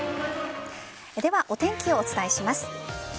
では、お天気をお伝えします。